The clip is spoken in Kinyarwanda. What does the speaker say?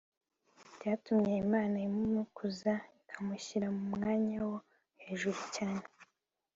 byatumye imana imukuza ikamushyira mu mwanya wo hejuru cyane